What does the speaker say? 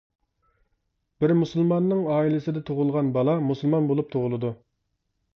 بىر مۇسۇلماننىڭ ئائىلىسىدە تۇغۇلغان بالا مۇسۇلمان بولۇپ تۇغۇلىدۇ.